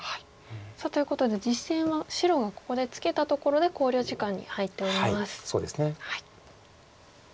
さあということで実戦は白がここでツケたところで考慮時間に入っております。